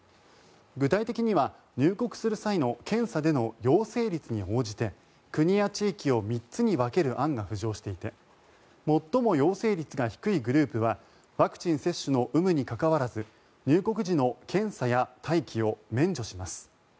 具体的には入国する際の検査での陽性率に応じて国や地域を３つに分ける案が浮上していて最も陽性率が低いグループはワクチン接種の有無に関わらず入国時の検査や待機を免除します。